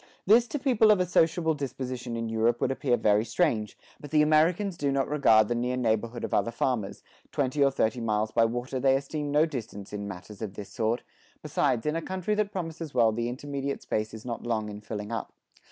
This to people of a sociable disposition in Europe would appear very strange, but the Americans do not regard the near neighborhood of other farmers; twenty or thirty miles by water they esteem no distance in matters of this sort; besides in a country that promises well the intermediate space is not long in filling up.